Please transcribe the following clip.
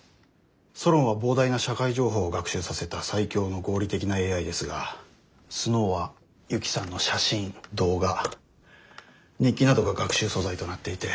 ソロンは膨大な社会情報を学習させた最強の合理的なＡＩですがスノウは雪さんの写真動画日記などが学習素材となっていて。